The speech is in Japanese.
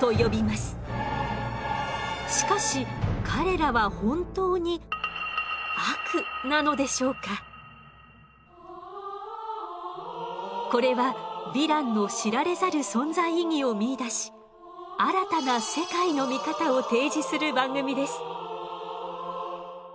しかし彼らはこれはヴィランの知られざる存在意義を見いだし新たな世界の見方を提示する番組です。